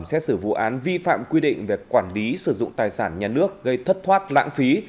xét xử vụ án vi phạm quy định về quản lý sử dụng tài sản nhà nước gây thất thoát lãng phí